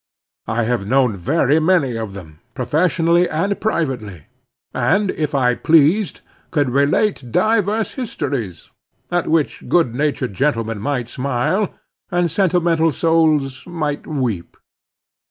I have known very many of them, professionally and privately, and if I pleased, could relate divers histories, at which good natured gentlemen might smile, and sentimental souls might weep.